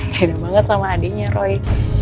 hedo banget sama adiknya roy